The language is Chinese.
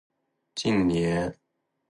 近年来，数十名学子考入清华、北大